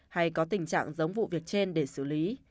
hay có tình trạng giống vụ việc trên để xử lý